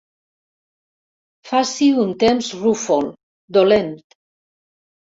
Faci un temps rúfol, dolent.